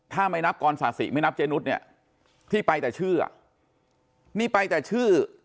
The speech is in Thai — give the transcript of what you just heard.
ถ้าไม่นับกรศาสิไม่นับเจนุสเนี่ยที่ไปแต่ชื่ออ่ะนี่ไปแต่ชื่อ